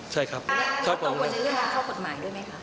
นายก็ต้องกวนในเรื่องข้อผลหมายด้วยไหมคะ